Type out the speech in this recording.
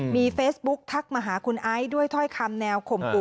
มีเฟซบุ๊กทักมาหาคุณไอซ์ด้วยถ้อยคำแนวข่มขู่